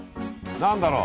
何だろう？